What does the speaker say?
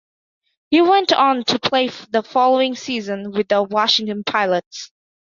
He went on to play the following season with the Washington Pilots.